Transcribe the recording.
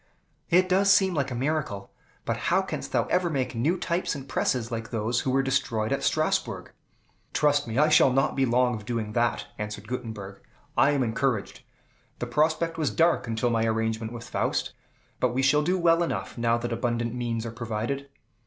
"It does seem like a miracle. But how canst thou ever make new types and presses like those which were destroyed at Strasbourg?" "Trust me I shall not be long of doing that," answered Gutenberg. "I am encouraged. The prospect was dark until my arrangement with Faust; but we shall do well enough, now that abundant means are provided."